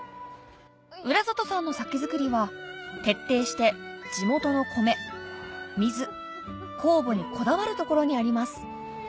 浦里さんの酒造りは徹底して地元の米水酵母にこだわるところにあります